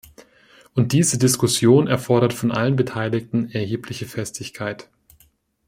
Und diese Diskussion erfordert von allen Beteiligten erhebliche Festigkeit.